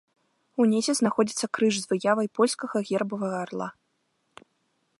Унізе знаходзіцца крыж з выявай польскага гербавага арла.